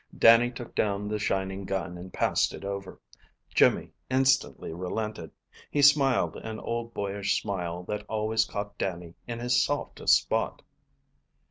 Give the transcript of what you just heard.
Dannie took down the shining gun and passed it over. Jimmy instantly relented. He smiled an old boyish smile, that always caught Dannie in his softest spot.